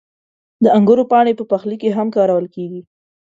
• د انګورو پاڼې په پخلي کې هم کارول کېږي.